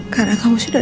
karena kamu sudah